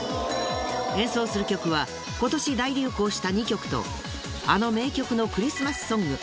演奏する曲は今年大流行した２曲とあの名曲のクリスマスソング。